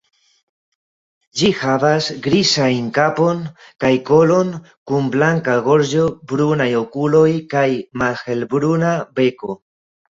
Ĝi havas grizajn kapon kaj kolon, kun blanka gorĝo, brunaj okuloj kaj malhelbruna beko.